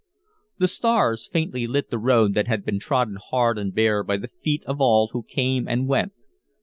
The stars faintly lit the road that had been trodden hard and bare by the feet of all who came and went.